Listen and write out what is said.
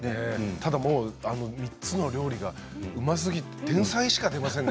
ただ３つの料理がうますぎて天才しか出ませんね